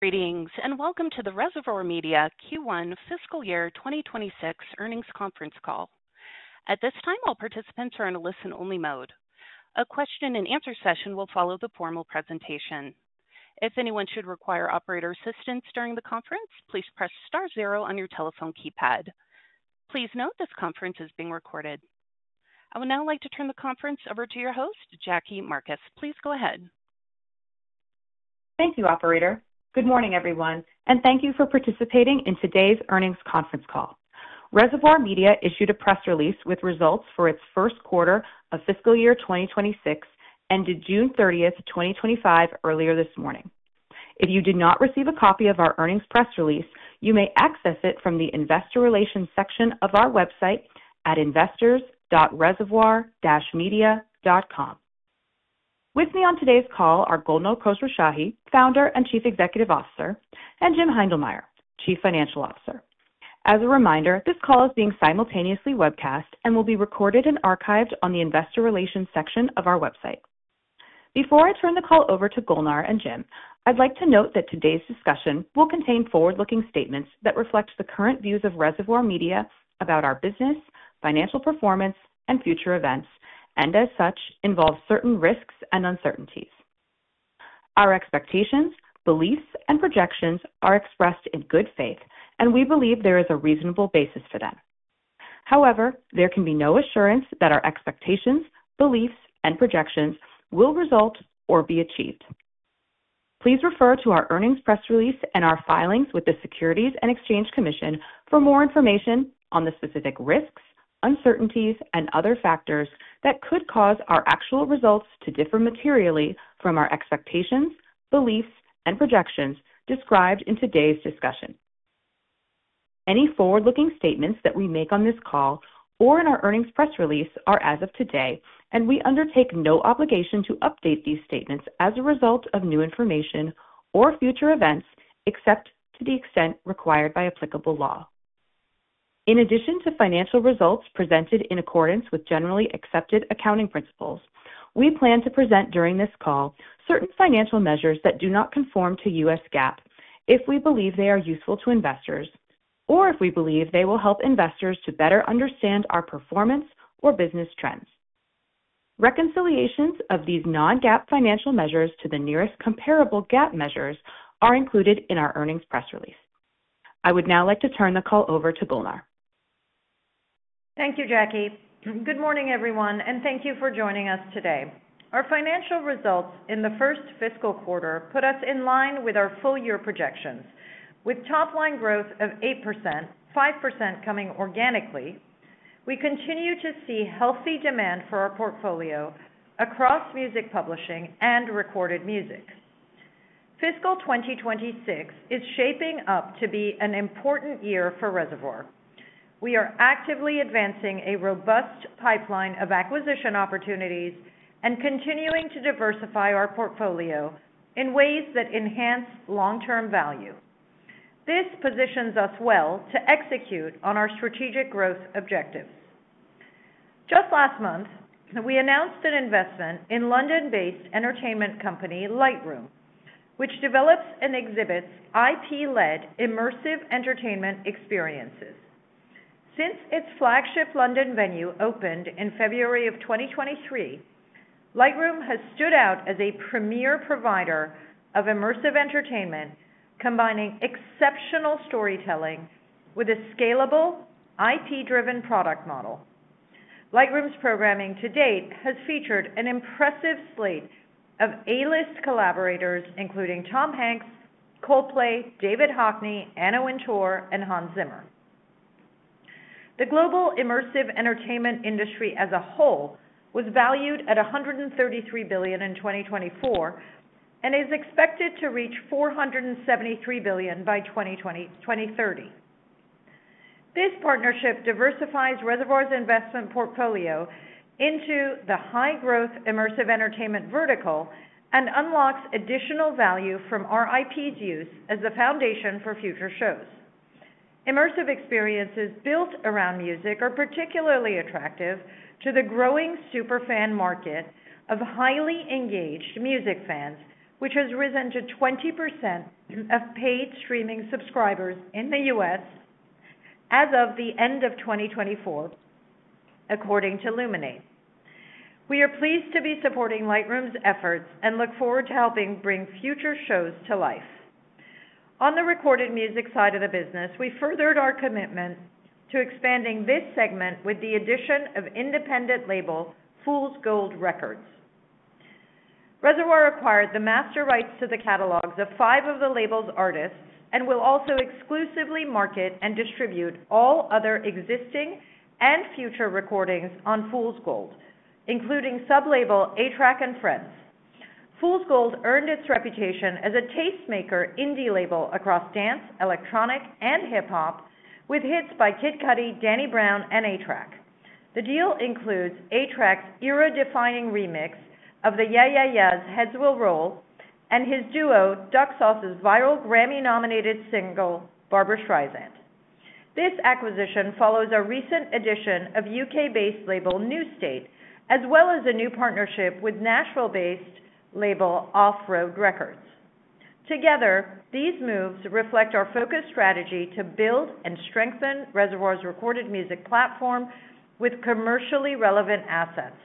Greetings and welcome to the Reservoir Media Q1 Fiscal Year 2026 Earnings Conference Call. At this time, all participants are in a listen-only mode. A question and answer session will follow the formal presentation. If anyone should require operator assistance during the conference, please press *0 on your telephone keypad. Please note this conference is being recorded. I would now like to turn the conference over to your host, Jackie Marcus. Please go ahead. Thank you, Operator. Good morning, everyone, and thank you for participating in today's earnings conference call. Reservoir Media issued a press release with results for its first quarter of fiscal year 2026 ended June 30th, 2025, earlier this morning. If you did not receive a copy of our earnings press release, you may access it from the Investor Relations section of our website at investors.reservoir-media.com. With me on today's call are Golnar Khosrowshahi, Founder and Chief Executive Officer, and Jim Heindlmeyer, Chief Financial Officer. As a reminder, this call is being simultaneously webcast and will be recorded and archived on the Investor Relations section of our website. Before I turn the call over to Golnar and Jim, I'd like to note that today's discussion will contain forward-looking statements that reflect the current views of Reservoir Media about our business, financial performance, and future events, and as such, involve certain risks and uncertainties. Our expectations, beliefs, and projections are expressed in good faith, and we believe there is a reasonable basis for them. However, there can be no assurance that our expectations, beliefs, and projections will result or be achieved. Please refer to our earnings press release and our filings with the Securities and Exchange Commission for more information on the specific risks, uncertainties, and other factors that could cause our actual results to differ materially from our expectations, beliefs, and projections described in today's discussion. Any forward-looking statements that we make on this call or in our earnings press release are as of today, and we undertake no obligation to update these statements as a result of new information or future events, except to the extent required by applicable law. In addition to financial results presented in accordance with generally accepted accounting principles, we plan to present during this call certain financial measures that do not conform to U.S. GAAP if we believe they are useful to investors or if we believe they will help investors to better understand our performance or business trends. Reconciliations of these non-GAAP financial measures to the nearest comparable GAAP measures are included in our earnings press release. I would now like to turn the call over to Golnar. Thank you, Jackie. Good morning, everyone, and thank you for joining us today. Our financial results in the first fiscal quarter put us in line with our full-year projections, with top-line growth of 8%, 5% coming organically. We continue to see healthy demand for our portfolio across music publishing and recorded music. Fiscal 2026 is shaping up to be an important year for Reservoir. We are actively advancing a robust pipeline of acquisition opportunities and continuing to diversify our portfolio in ways that enhance long-term value. This positions us well to execute on our strategic growth objectives. Just last month, we announced an investment in London-based entertainment company Lightroom, which develops and exhibits IP-led immersive entertainment experiences. Since its flagship London venue opened in February of 2023, Lightroom has stood out as a premier provider of immersive entertainment, combining exceptional storytelling with a scalable, IP-driven product model. Lightroom's programming to date has featured an impressive slate of A-list collaborators, including Tom Hanks, Coldplay, David Hockney, Anna Wintour, and Hans Zimmer. The global immersive entertainment industry as a whole was valued at $133 billion in 2024 and is expected to reach $473 billion by 2030. This partnership diversifies Reservoir's investment portfolio into the high-growth immersive entertainment vertical and unlocks additional value from our IP's use as the foundation for future shows. Immersive experiences built around music are particularly attractive to the growing superfan market of highly engaged music fans, which has risen to 20% of paid streaming subscribers in the U.S. as of the end of 2024, according to Luminate. We are pleased to be supporting Lightroom's efforts and look forward to helping bring future shows to life. On the recorded music side of the business, we furthered our commitment to expanding this segment with the addition of independent label Fool’s Gold Records. Reservoir acquired the master rights to the catalogs of five of the label's artists and will also exclusively market and distribute all other existing and future recordings on Fool’s Gold, including sub-label A-Trak & Friends. Fool’s Gold earned its reputation as a tastemaker indie label across dance, electronic, and hip-hop, with hits by Kid Cudi, Danny Brown, and A-Trak. The deal includes A-Trak's era-defining remix of the Yeah Yeah Yeahs' "Heads Will Roll" and his duo Duck Sauce's viral Grammy-nominated single "Barbra Streisand." This acquisition follows a recent addition of U.K.-based label New State, as well as a new partnership with Nashville-based label Off-Road Records. Together, these moves reflect our focused strategy to build and strengthen Reservoir's recorded music platform with commercially relevant assets.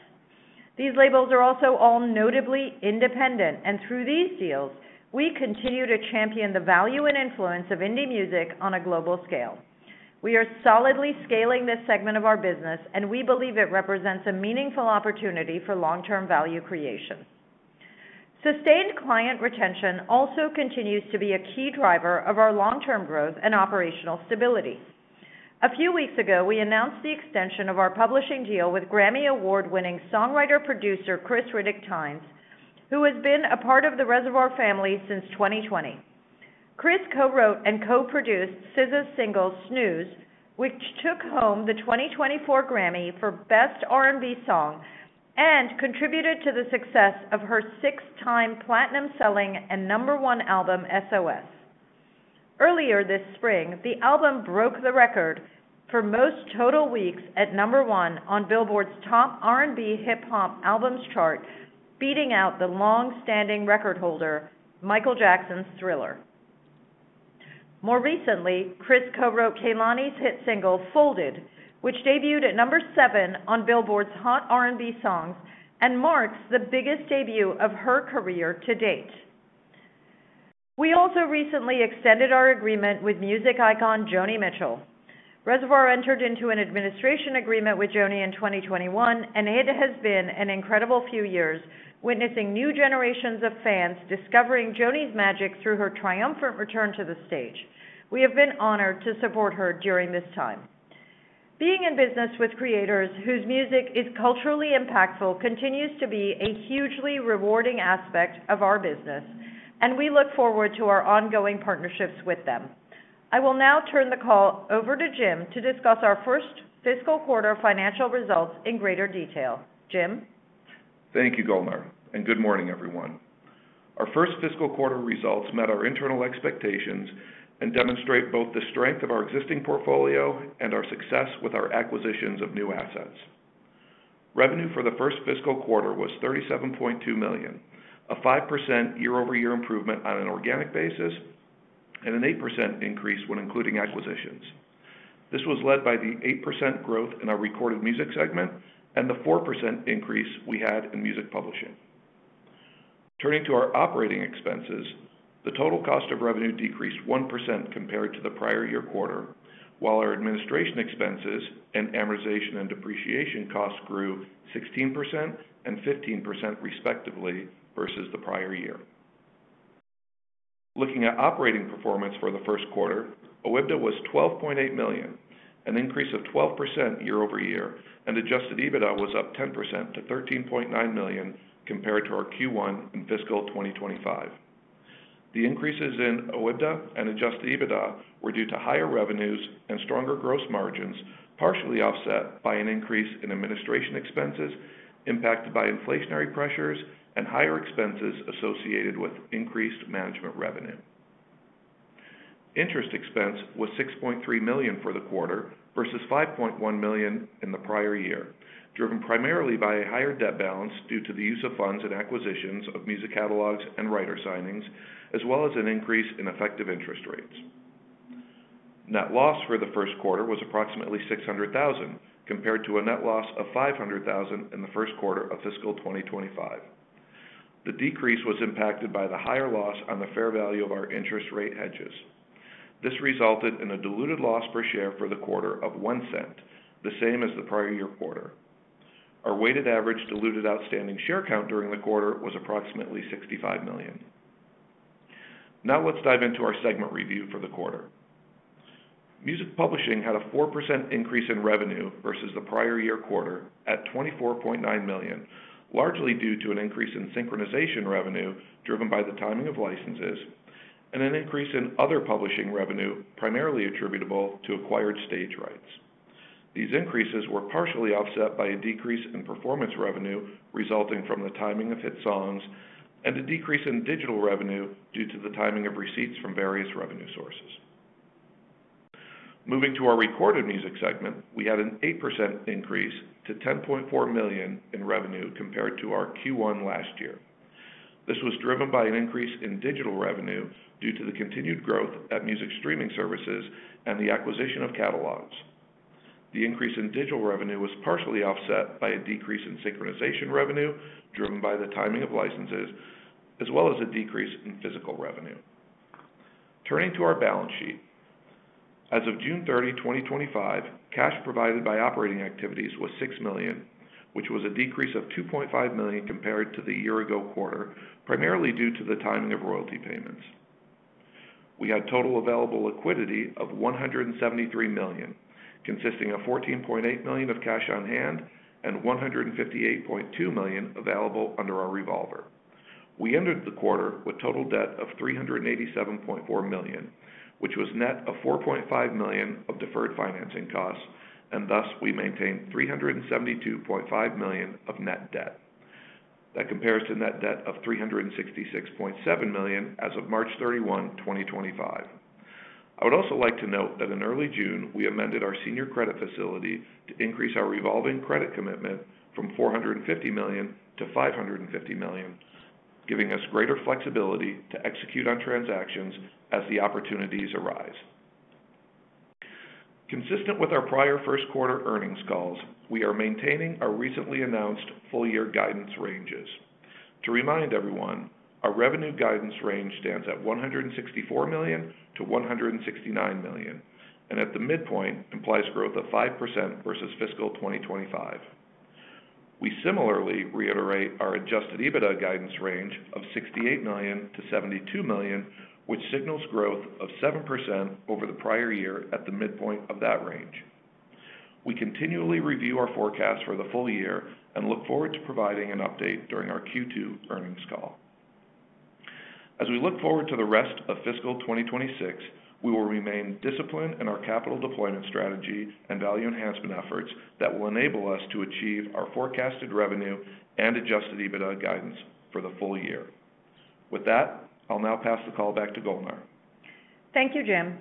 These labels are also all notably independent, and through these deals, we continue to champion the value and influence of indie music on a global scale. We are solidly scaling this segment of our business, and we believe it represents a meaningful opportunity for long-term value creation. Sustained client retention also continues to be a key driver of our long-term growth and operational stability. A few weeks ago, we announced the extension of our publishing deal with Grammy Award-winning songwriter-producer Khris Riddick-Tynes, who has been a part of the Reservoir family since 2020. Chris co-wrote and co-produced SZA's single "Snooze," which took home the 2024 Grammy for Best R&B Song and contributed to the success of her six-time platinum-selling and number one album "SOS." Earlier this spring, the album broke the record for most total weeks at number one on Billboard's Top R&B/Hip-Hop Albums chart, beating out the long-standing record holder Michael Jackson's "Thriller." More recently, Chris co-wrote Kehlani's hit single "Folded," which debuted at number seven on Billboard's Hot R&B Songs and marks the biggest debut of her career to date. We also recently extended our agreement with music icon Joni Mitchell. Reservoir entered into an administration agreement with Joni in 2021, and it has been an incredible few years, witnessing new generations of fans discovering Joni's magic through her triumphant return to the stage. We have been honored to support her during this time. Being in business with creators whose music is culturally impactful continues to be a hugely rewarding aspect of our business, and we look forward to our ongoing partnerships with them. I will now turn the call over to Jim to discuss our first fiscal quarter financial results in greater detail. Jim? Thank you, Golnar, and good morning, everyone. Our first fiscal quarter results met our internal expectations and demonstrate both the strength of our existing portfolio and our success with our acquisitions of new assets. Revenue for the first fiscal quarter was $37.2 million, a 5% year-over-year improvement on an organic basis, and an 8% increase when including acquisitions. This was led by the 8% growth in our recorded music segment and the 4% increase we had in music publishing. Turning to our operating expenses, the total cost of revenue decreased 1% compared to the prior year quarter, while our administration expenses and amortization and depreciation costs grew 16% and 15% respectively versus the prior year. Looking at operating performance for the first quarter, EBITDA was $12.8 million, an increase of 12% year-over-year, and adjusted EBITDA was up 10% to $13.9 million compared to our Q1 in fiscal 2025. The increases in EBITDA and adjusted EBITDA were due to higher revenues and stronger gross margins, partially offset by an increase in administration expenses impacted by inflationary pressures and higher expenses associated with increased management revenue. Interest expense was $6.3 million for the quarter versus $5.1 million in the prior year, driven primarily by a higher debt balance due to the use of funds and acquisitions of music catalogs and writer signings, as well as an increase in effective interest rates. Net loss for the first quarter was approximately $600,000 compared to a net loss of $500,000 in the first quarter of fiscal 2025. The decrease was impacted by the higher loss on the fair value of our interest rate hedges. This resulted in a diluted loss per share for the quarter of $0.01, the same as the prior year quarter. Our weighted average diluted outstanding share count during the quarter was approximately 65 million. Now let's dive into our segment review for the quarter. Music publishing had a 4% increase in revenue versus the prior year quarter at $24.9 million, largely due to an increase in synchronization revenue driven by the timing of licenses and an increase in other publishing revenue, primarily attributable to acquired stage rights. These increases were partially offset by a decrease in performance revenue resulting from the timing of hit songs and a decrease in digital revenue due to the timing of receipts from various revenue sources. Moving to our recorded music segment, we had an 8% increase to $10.4 million in revenue compared to our Q1 last year. This was driven by an increase in digital revenue due to the continued growth at music streaming services and the acquisition of catalogs. The increase in digital revenue was partially offset by a decrease in synchronization revenue driven by the timing of licenses, as well as a decrease in physical revenue. Turning to our balance sheet, as of June 30, 2025, cash provided by operating activities was $6 million, which was a decrease of $2.5 million compared to the year-ago quarter, primarily due to the timing of royalty payments. We had total available liquidity of $173 million, consisting of $14.8 million of cash on hand and $158.2 million available under our revolver. We ended the quarter with total debt of $387.4 million, which was net of $4.5 million of deferred financing costs, and thus we maintained $372.5 million of net debt. That compares to net debt of $366.7 million as of March 31, 2025. I would also like to note that in early June, we amended our senior credit facility to increase our revolving credit commitment from $450 million to $550 million, giving us greater flexibility to execute on transactions as the opportunities arise. Consistent with our prior first quarter earnings calls, we are maintaining our recently announced full-year guidance ranges. To remind everyone, our revenue guidance range stands at $164 million-$169 million, and at the midpoint implies growth of 5% versus fiscal 2025. We similarly reiterate our adjusted EBITDA guidance range of $68 million-$72 million, which signals growth of 7% over the prior year at the midpoint of that range. We continually review our forecast for the full year and look forward to providing an update during our Q2 earnings call. As we look forward to the rest of fiscal 2026, we will remain disciplined in our capital deployment strategy and value enhancement efforts that will enable us to achieve our forecasted revenue and adjusted EBITDA guidance for the full year. With that, I'll now pass the call back to Golnar. Thank you, Jim.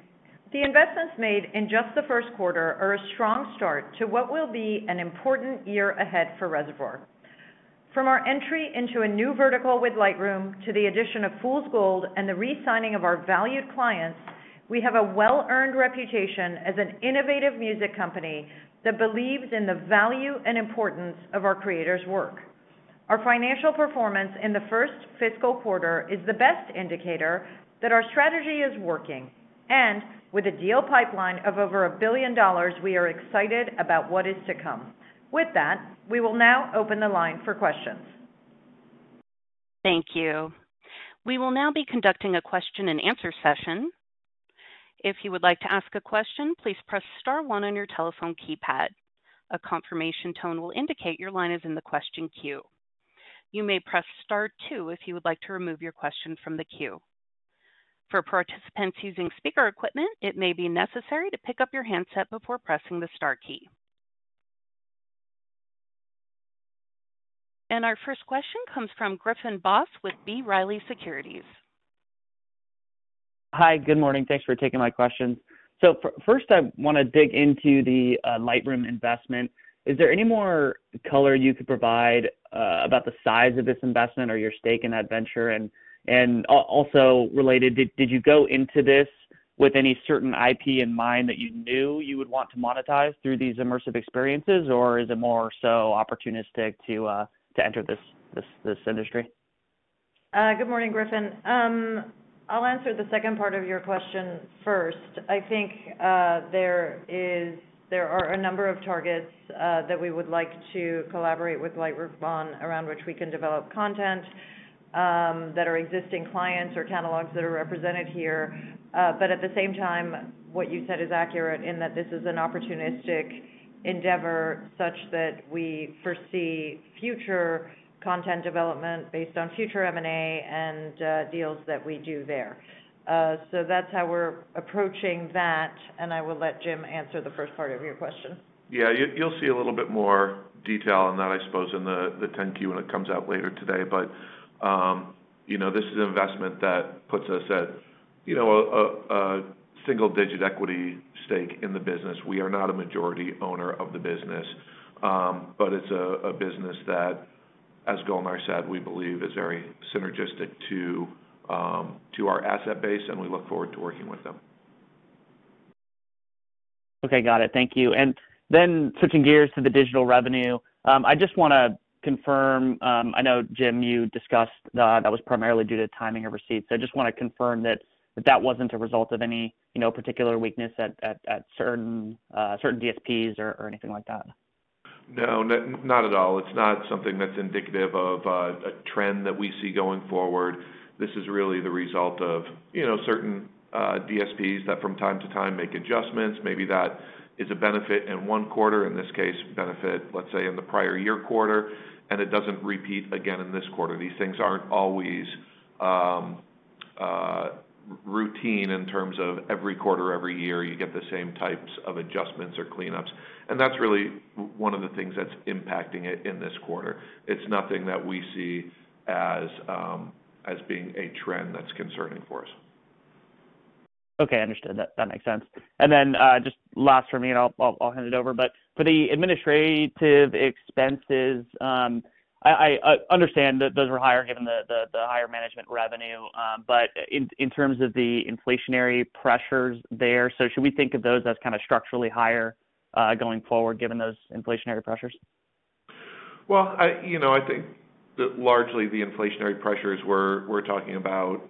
The investments made in just the first quarter are a strong start to what will be an important year ahead for Reservoir. From our entry into a new vertical with Lightroom to the addition of Fool’s Gold and the re-signing of our valued clients, we have a well-earned reputation as an innovative music company that believes in the value and importance of our creators’ work. Our financial performance in the first fiscal quarter is the best indicator that our strategy is working, and with a deal pipeline of over $1 billion, we are excited about what is to come. With that, we will now open the line for questions. Thank you. We will now be conducting a question and answer session. If you would like to ask a question, please press *1 on your telephone keypad. A confirmation tone will indicate your line is in the question queue. You may press *2 if you would like to remove your question from the queue. For participants using speaker equipment, it may be necessary to pick up your handset before pressing the * key. Our first question comes from Griffin Boss with B. Riley Securities. Hi, good morning. Thanks for taking my question. First, I want to dig into the Lightroom investment. Is there any more color you could provide about the size of this investment or your stake in that venture? Also, related, did you go into this with any certain IP in mind that you knew you would want to monetize through these immersive experiences, or is it more so opportunistic to enter this industry? Good morning, Griffin. I'll answer the second part of your question first. I think there are a number of targets that we would like to collaborate with Lightroom on, around which we can develop content that our existing clients or catalogs that are represented here. At the same time, what you said is accurate in that this is an opportunistic endeavor such that we foresee future content development based on future M&A and deals that we do there. That's how we're approaching that, and I will let Jim answer the first part of your question. You'll see a little bit more detail on that, I suppose, in the 10-Q when it comes out later today. This is an investment that puts us at a single-digit equity stake in the business. We are not a majority owner of the business, but it's a business that, as Golnar said, we believe is very synergistic to our asset base, and we look forward to working with them. Okay, got it. Thank you. Switching gears to the digital revenue, I just want to confirm, I know, Jim, you discussed that was primarily due to timing of receipts. I just want to confirm that that wasn't a result of any particular weakness at certain DSPs or anything like that. No, not at all. It's not something that's indicative of a trend that we see going forward. This is really the result of certain DSPs that from time to time make adjustments. Maybe that is a benefit in one quarter, in this case, benefit, let's say, in the prior year quarter, and it doesn't repeat again in this quarter. These things aren't always routine in terms of every quarter, every year, you get the same types of adjustments or cleanups. That's really one of the things that's impacting it in this quarter. It's nothing that we see as being a trend that's concerning for us. Okay, understood. That makes sense. Just last for me, I'll hand it over. For the administrative expenses, I understand that those were higher given the higher management revenue. In terms of the inflationary pressures there, should we think of those as kind of structurally higher going forward given those inflationary pressures? I think that largely the inflationary pressures we're talking about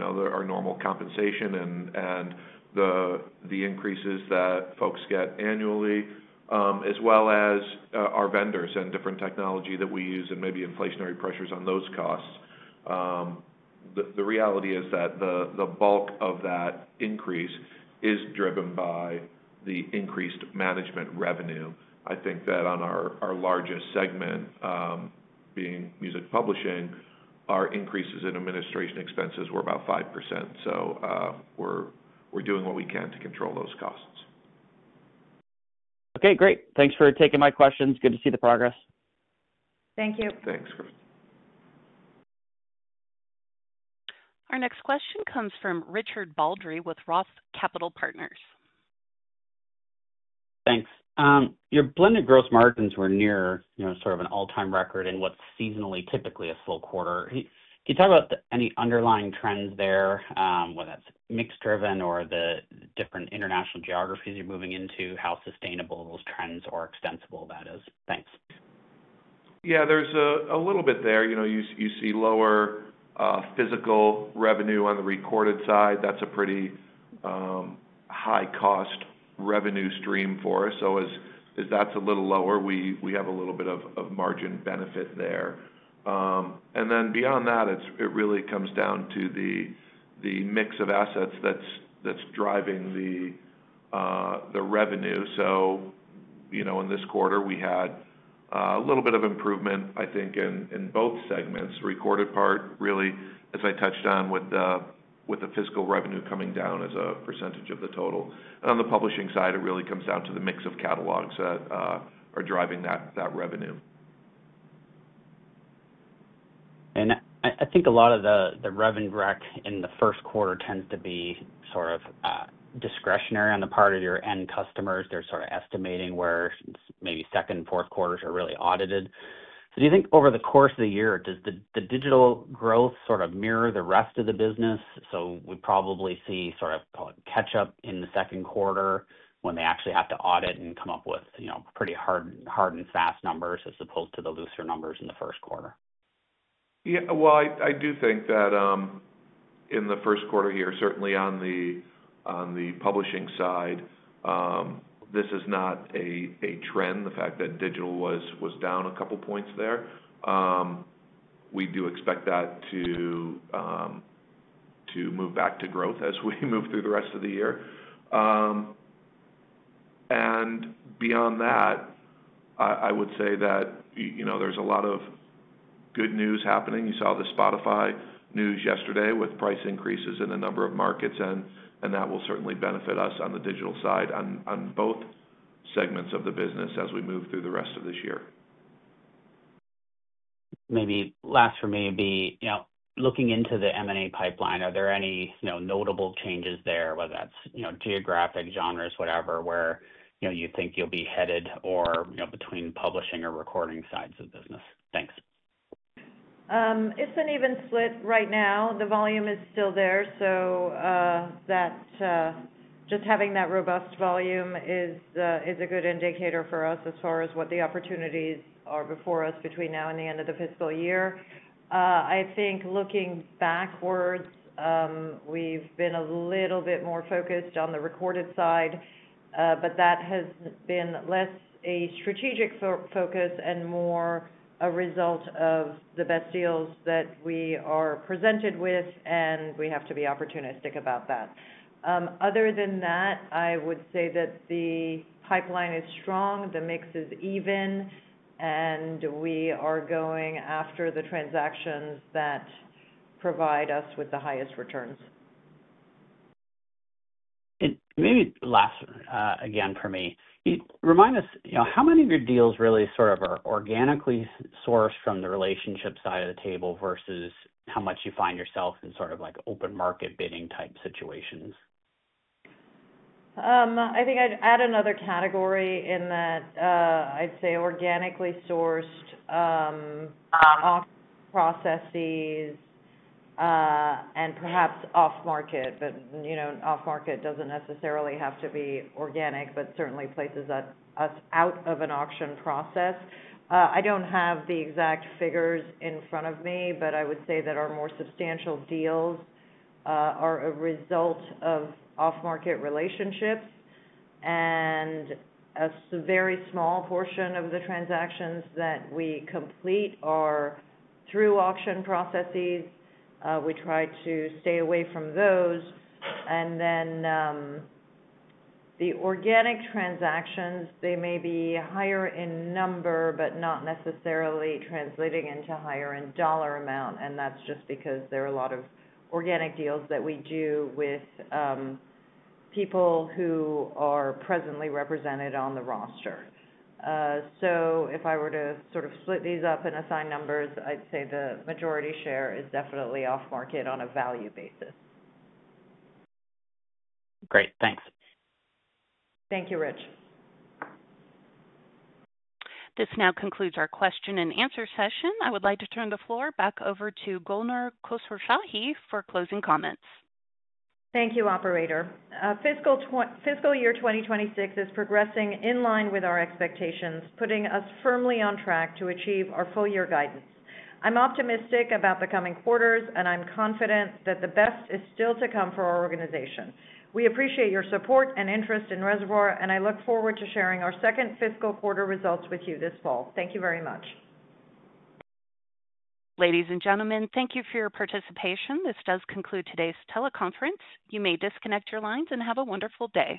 are normal compensation and the increases that folks get annually, as well as our vendors and different technology that we use and maybe inflationary pressures on those costs. The reality is that the bulk of that increase is driven by the increased management revenue. I think that on our largest segment, being music publishing, our increases in administration expenses were about 5%. We're doing what we can to control those costs. Okay, great. Thanks for taking my questions. Good to see the progress. Thank you. Thanks. Our next question comes from Richard Baldry with ROTH Capital Partners. Thanks. Your blended gross margins were near sort of an all-time record in what's seasonally typically a slow quarter. Can you talk about any underlying trends there, whether that's mix-driven or the different international geographies you're moving into, how sustainable those trends are, extensible that is? Thanks. Yeah, there's a little bit there. You see lower physical revenue on the recorded side. That's a pretty high-cost revenue stream for us. As that's a little lower, we have a little bit of margin benefit there. Beyond that, it really comes down to the mix of assets that's driving the revenue. In this quarter, we had a little bit of improvement, I think, in both segments. The recorded part really, as I touched on with the physical revenue coming down as a percentage of the total. On the publishing side, it really comes down to the mix of catalogs that are driving that revenue. I think a lot of the revenue graph in the first quarter tends to be sort of discretionary on the part of your end customers. They're sort of estimating where maybe second and fourth quarters are really audited. Do you think over the course of the year, does the digital growth sort of mirror the rest of the business? We probably see sort of, call it, catch-up in the second quarter when they actually have to audit and come up with pretty hard and fast numbers as opposed to the looser numbers in the first quarter. I do think that in the first quarter here, certainly on the publishing side, this is not a trend. The fact that digital was down a couple of points there, we do expect that to move back to growth as we move through the rest of the year. Beyond that, I would say that there's a lot of good news happening. You saw the Spotify news yesterday with price increases in a number of markets, and that will certainly benefit us on the digital side on both segments of the business as we move through the rest of this year. Maybe last for me would be, you know, looking into the M&A pipeline, are there any notable changes there, whether that's geographic, genres, whatever, where you think you'll be headed or between publishing or recording sides of the business? Thanks. It's an even split right now. The volume is still there, so just having that robust volume is a good indicator for us as far as what the opportunities are before us between now and the end of the fiscal year. I think looking backwards, we've been a little bit more focused on the recorded side, but that has been less a strategic focus and more a result of the best deals that we are presented with, and we have to be opportunistic about that. Other than that, I would say that the pipeline is strong, the mix is even, and we are going after the transactions that provide us with the highest returns. Maybe last again for me, remind us, you know, how many of your deals really sort of are organically sourced from the relationship side of the table versus how much you find yourself in sort of like open market bidding type situations? I think I'd add another category in that I'd say organically sourced, off-processes, and perhaps off-market. Off-market doesn't necessarily have to be organic, but certainly places us out of an auction process. I don't have the exact figures in front of me, but I would say that our more substantial deals are a result of off-market relationships. A very small portion of the transactions that we complete are through auction processes. We try to stay away from those. The organic transactions may be higher in number, but not necessarily translating into higher in dollar amount. That's just because there are a lot of organic deals that we do with people who are presently represented on the roster. If I were to sort of split these up and assign numbers, I'd say the majority share is definitely off-market on a value basis. Great. Thanks. Thank you, Rich. This now concludes our question and answer session. I would like to turn the floor back over to Golnar Khosrowshahi for closing comments. Thank you, Operator. Fiscal year 2026 is progressing in line with our expectations, putting us firmly on track to achieve our full-year guidance. I'm optimistic about the coming quarters, and I'm confident that the best is still to come for our organization. We appreciate your support and interest in Reservoir, and I look forward to sharing our second fiscal quarter results with you this fall. Thank you very much. Ladies and gentlemen, thank you for your participation. This does conclude today's teleconference. You may disconnect your lines and have a wonderful day.